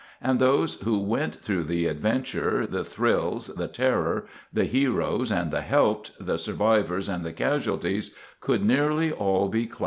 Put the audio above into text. And those who went through the adventure, the thrills, the terror, the heroes and the helped, the survivors, and the casualties, could nearly all be classed as tourists.